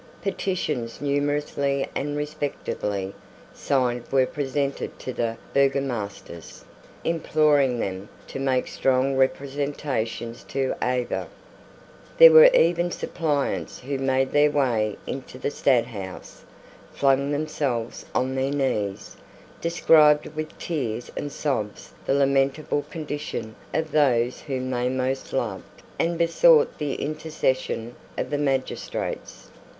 Petitions numerously and respectably signed were presented to the Burgomasters, imploring them to make strong representations to Avaux. There were even suppliants who made their way into the Stadthouse, flung themselves on their knees, described with tears and sobs the lamentable condition of those whom they most loved, and besought the intercession of the magistrates.